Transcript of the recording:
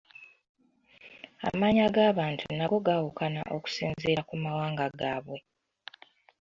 Amannya g'abantu nago gaawukana okusinziira ku mawanga gaabwe.